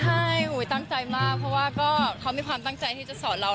ต้องเต็มใจมากเพราะว่าเขามีความตั้งใจที่จะสอดเรา